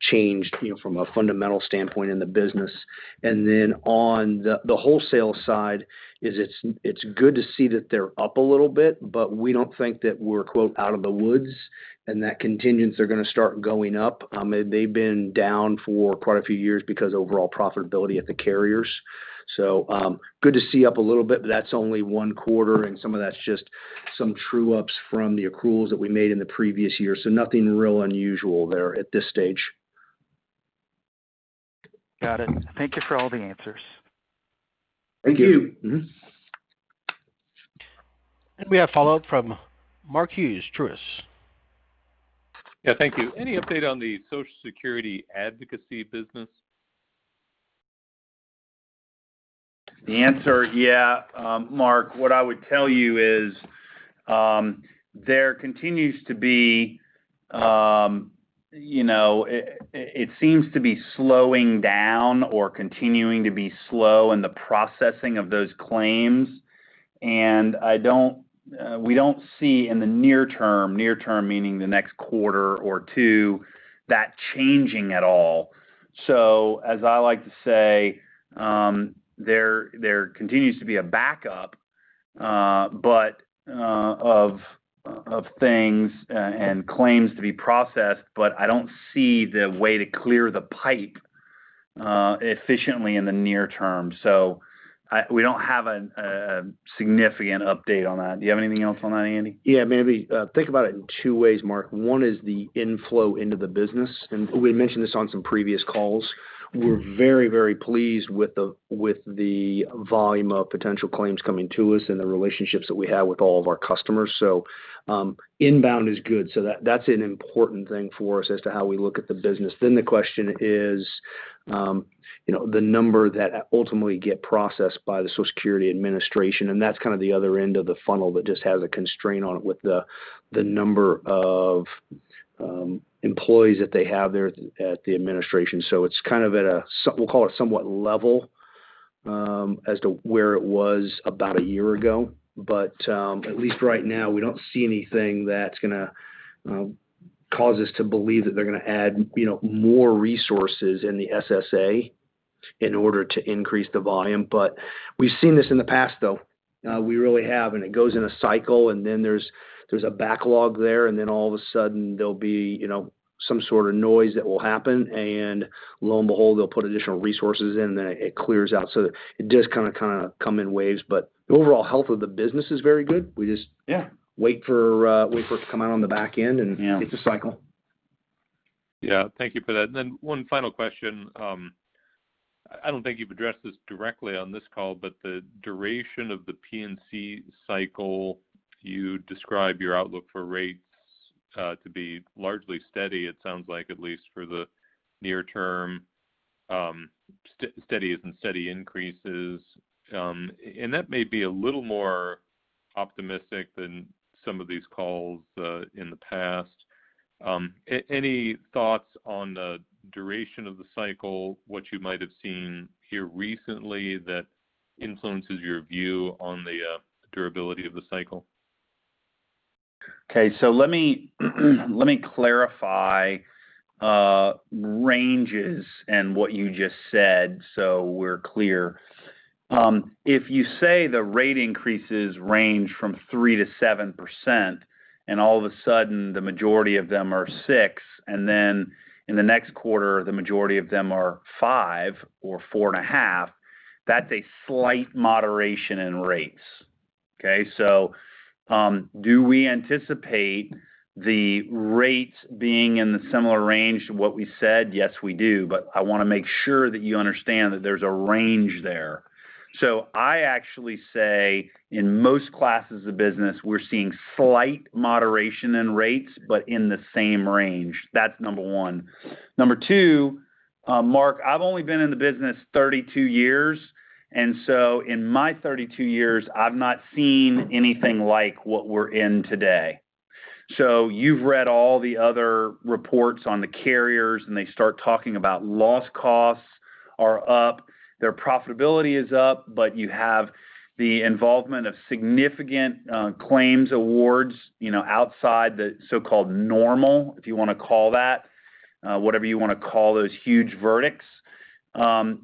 changed, you know, from a fundamental standpoint in the business. Then on the wholesale side, it's good to see that they're up a little bit, but we don't think that we're quote out of the woods, and that contingents are gonna start going up. They've been down for quite a few years because overall profitability at the carriers. Good to see up a little bit, but that's only one quarter, and some of that's just some true ups from the accruals that we made in the previous year. Nothing real unusual there at this stage. Got it. Thank you for all the answers. Thank you. We have follow-up from Mark Hughes, Truist. Yeah, thank you. Any update on the Social Security advocacy business? The answer, yeah, Mark, what I would tell you is, there continues to be. It seems to be slowing down or continuing to be slow in the processing of those claims. We don't see in the near term, near term meaning the next quarter or two, that changing at all. As I like to say, there continues to be a backup of things and claims to be processed, but I don't see the way to clear the pipe efficiently in the near term. We don't have a significant update on that. Do you have anything else on that, Andy? Yeah, maybe think about it in two ways, Mark. One is the inflow into the business, and we mentioned this on some previous calls. We're very, very pleased with the volume of potential claims coming to us and the relationships that we have with all of our customers. Inbound is good. That's an important thing for us as to how we look at the business. The question is, you know, the number that ultimately get processed by the Social Security Administration, and that's kind of the other end of the funnel that just has a constraint on it with the number of employees that they have there at the administration. It's kind of at a, we'll call it somewhat level, as to where it was about a year ago. At least right now, we don't see anything that's gonna cause us to believe that they're gonna add, you know, more resources in the SSA in order to increase the volume. We've seen this in the past, though. We really have, and it goes in a cycle, and then there's a backlog there, and then all of a sudden there'll be, you know, some sort of noise that will happen, and lo and behold, they'll put additional resources in, then it clears out. It does kinda come in waves, but the overall health of the business is very good. We just- Yeah Wait for it to come out on the back end, and Yeah It's a cycle. Yeah. Thank you for that. One final question. I don't think you've addressed this directly on this call, but the duration of the P&C cycle, you describe your outlook for rates, to be largely steady, it sounds like, at least for the near term. Steady as in steady increases. And that may be a little more optimistic than some of these calls in the past. Any thoughts on the duration of the cycle, what you might have seen here recently that influences your view on the durability of the cycle? Okay. Let me clarify ranges and what you just said so we're clear. If you say the rate increases range from 3%-7% and all of a sudden the majority of them are 6%, and then in the next quarter the majority of them are 5% or 4.5%, that's a slight moderation in rates. Okay. Do we anticipate the rates being in the similar range to what we said? Yes, we do, but I wanna make sure that you understand that there's a range there. I actually say in most classes of business we're seeing slight moderation in rates, but in the same range. That's number one. Number two, Mark, I've only been in the business 32 years, and so in my 32 years I've not seen anything like what we're in today. You've read all the other reports on the carriers, and they start talking about loss costs are up, their profitability is up, but you have the involvement of significant claims awards outside the so-called normal, if you wanna call that. Whatever you wanna call those huge verdicts.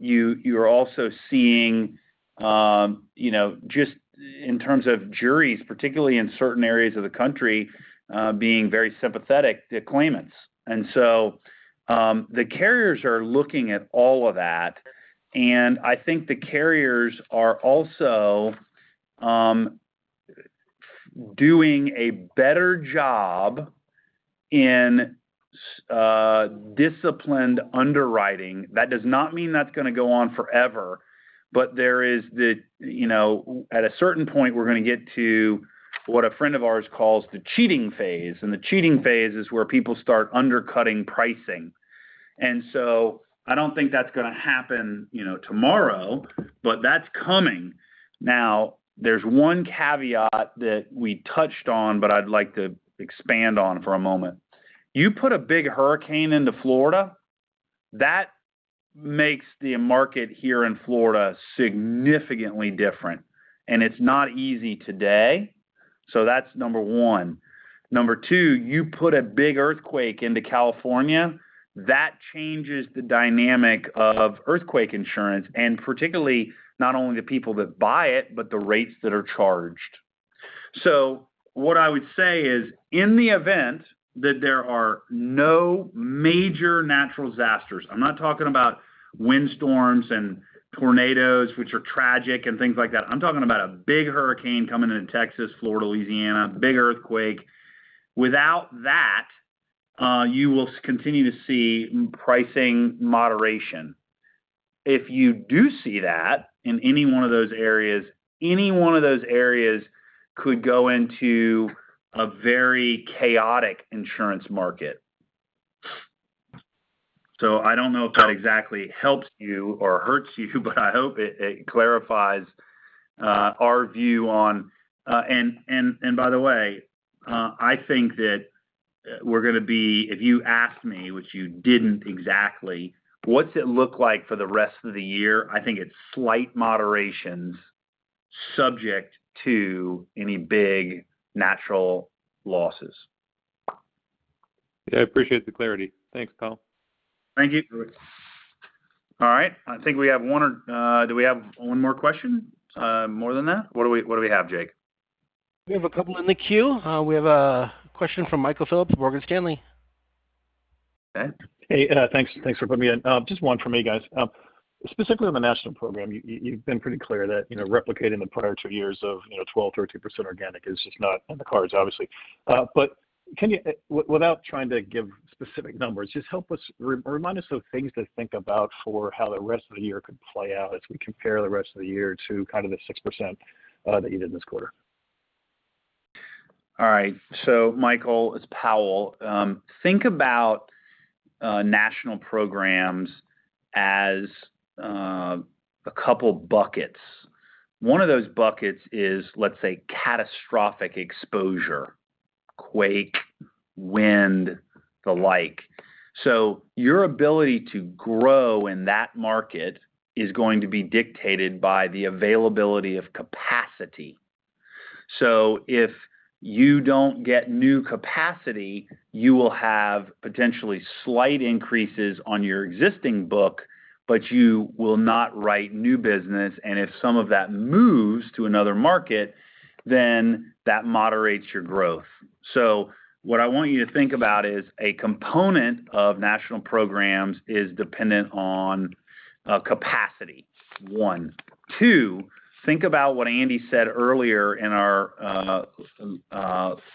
You're also seeing just in terms of juries, particularly in certain areas of the country, being very sympathetic to claimants. The carriers are looking at all of that, and I think the carriers are also doing a better job in disciplined underwriting. That does not mean that's gonna go on forever, but there is at a certain point we're gonna get to what a friend of ours calls the cheating phase, and the cheating phase is where people start undercutting pricing. I don't think that's gonna happen, you know, tomorrow, but that's coming. Now, there's one caveat that we touched on but I'd like to expand on for a moment. You put a big hurricane into Florida, that makes the market here in Florida significantly different, and it's not easy today. That's number one. Number two, you put a big earthquake into California, that changes the dynamic of earthquake insurance, and particularly not only the people that buy it, but the rates that are charged. What I would say is, in the event that there are no major natural disasters, I'm not talking about windstorms and tornadoes, which are tragic and things like that. I'm talking about a big hurricane coming into Texas, Florida, Louisiana, big earthquake. Without that, you will continue to see pricing moderation. If you do see that in any one of those areas, it could go into a very chaotic insurance market. I don't know if that exactly helps you or hurts you, but I hope it clarifies our view on. By the way, if you asked me, which you didn't exactly, what's it look like for the rest of the year, I think it's slight moderations subject to any big natural losses. Yeah, I appreciate the clarity. Thanks, Powell. Thank you. All right, I think we have one. Do we have one more question? More than that? What do we have, Jake? We have a couple in the queue. We have a question from Michael Phillips of Morgan Stanley. Okay. Hey, thanks for putting me on. Just one from me, guys. Specifically on the national program, you've been pretty clear that, you know, replicating the prior two years of, you know, 12%-13% organic is just not in the cards, obviously. But can you, without trying to give specific numbers, just help us or remind us of things to think about for how the rest of the year could play out as we compare the rest of the year to kind of the 6% that you did this quarter. All right. Michael, it's Powell. Think about national programs as a couple buckets. One of those buckets is, let's say, catastrophic exposure, quake, wind, the like. Your ability to grow in that market is going to be dictated by the availability of capacity. If you don't get new capacity, you will have potentially slight increases on your existing book, but you will not write new business, and if some of that moves to another market, then that moderates your growth. What I want you to think about is a component of national programs is dependent on capacity, one. Two, think about what Andy said earlier in our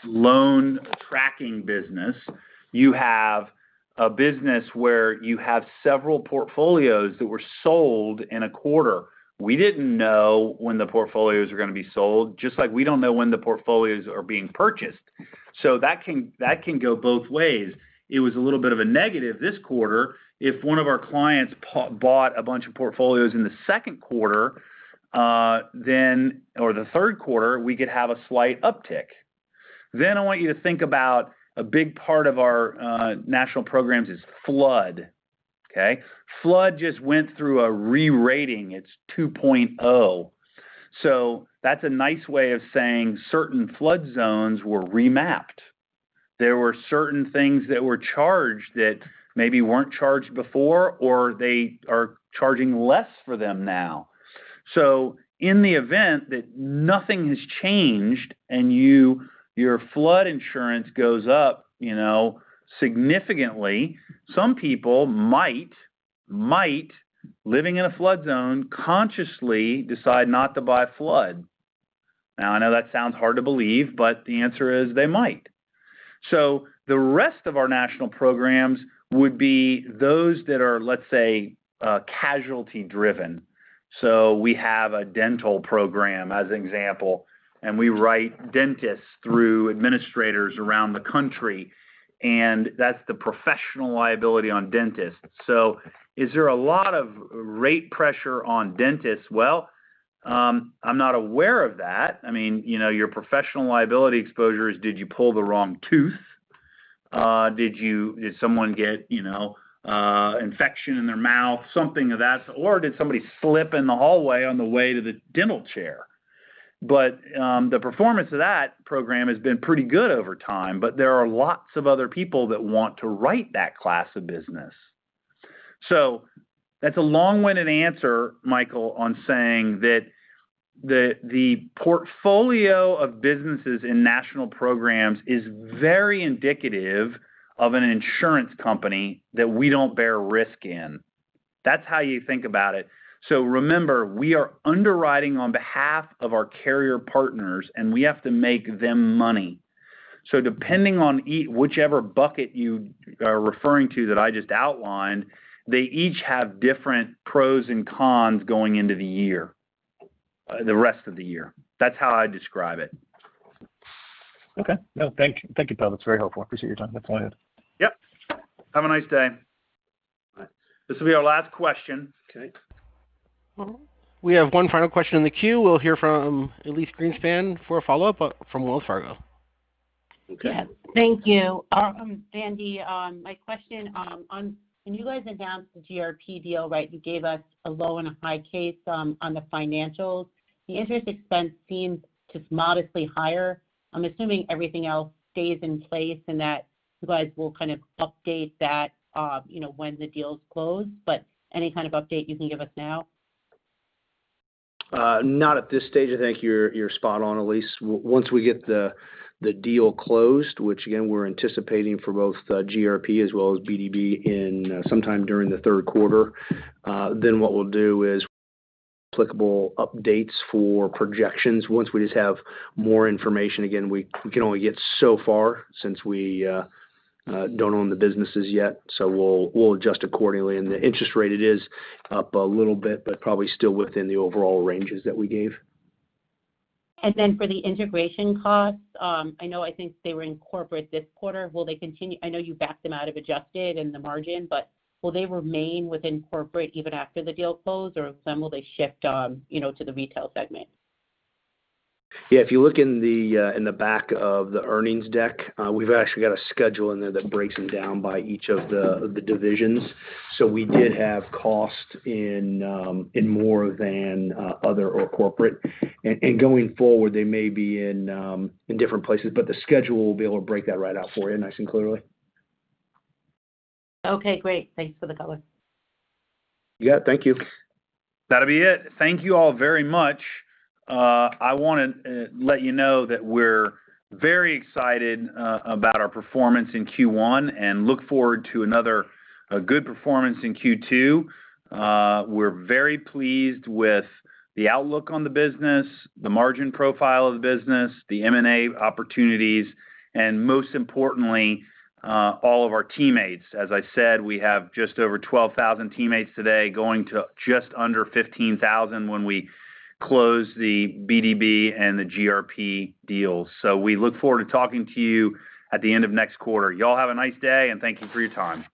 loan tracking business. You have a business where you have several portfolios that were sold in a quarter. We didn't know when the portfolios were gonna be sold, just like we don't know when the portfolios are being purchased. That can go both ways. It was a little bit of a negative this quarter. If one of our clients bought a bunch of portfolios in the second quarter or the third quarter, we could have a slight uptick. I want you to think about a big part of our national programs is flood, okay? Flood just went through a re-rating. It's Risk Rating 2.0. That's a nice way of saying certain flood zones were remapped. There were certain things that were charged that maybe weren't charged before, or they are charging less for them now. In the event that nothing has changed and you, your flood insurance goes up significantly, some people might living in a flood zone, consciously decide not to buy flood. Now, I know that sounds hard to believe, but the answer is they might. The rest of our national programs would be those that are, let's say, casualty driven. We have a dental program as an example, and we write dentists through administrators around the country, and that's the professional liability on dentists. Is there a lot of rate pressure on dentists? Well, I'm not aware of that. I mean, you know, your professional liability exposure is did you pull the wrong tooth? Did someone get, you know, infection in their mouth, something of that. Did somebody slip in the hallway on the way to the dental chair? The performance of that program has been pretty good over time, but there are lots of other people that want to write that class of business. That's a long-winded answer, Michael, on saying that the portfolio of businesses in national programs is very indicative of an insurance company that we don't bear risk in. That's how you think about it. Remember, we are underwriting on behalf of our carrier partners, and we have to make them money. Depending on whichever bucket you are referring to that I just outlined, they each have different pros and cons going into the year, the rest of the year. That's how I describe it. Okay. No, thank you, Powell Brown. That's very helpful. I appreciate your time. That's all I had. Yep. Have a nice day. Bye. This will be our last question. Okay. We have one final question in the queue. We'll hear from Elyse Greenspan for a follow-up from Wells Fargo. Okay. Go ahead. Thank you. Andy, my question on when you guys announced the GRP deal, right, you gave us a low and a high case on the financials. The interest expense seems just modestly higher. I'm assuming everything else stays in place and that you guys will kind of update that, you know, when the deal's closed. Any kind of update you can give us now? Not at this stage. I think you're spot on, Elyse. Once we get the deal closed, which again, we're anticipating for both GRP as well as BdB sometime during the third quarter, then what we'll do is applicable updates for projections. Once we just have more information, again, we can only get so far since we don't own the businesses yet. We'll adjust accordingly. The interest rate, it is up a little bit, but probably still within the overall ranges that we gave. For the integration costs, I know, I think they were in corporate this quarter. Will they continue? I know you backed them out of adjusted in the margin, but will they remain within corporate even after the deal closed or some will they shift, you know, to the Retail Segment? Yeah. If you look in the back of the earnings deck, we've actually got a schedule in there that breaks them down by each of the divisions. We did have costs in more than other or corporate. Going forward, they may be in different places, but the schedule will be able to break that right out for you nice and clearly. Okay, great. Thanks for the color. Yeah, thank you. That'll be it. Thank you all very much. I wanna let you know that we're very excited about our performance in Q1 and look forward to another good performance in Q2. We're very pleased with the outlook on the business, the margin profile of the business, the M&A opportunities, and most importantly, all of our teammates. As I said, we have just over 12,000 teammates today, going to just under 15,000 when we close the BdB and the GRP deals. We look forward to talking to you at the end of next quarter. Y'all have a nice day, and thank you for your time.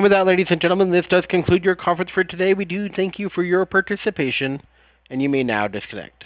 With that, ladies and gentlemen, this does conclude your conference for today. We do thank you for your participation, and you may now disconnect.